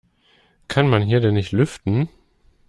Kann man hier denn nicht lüften?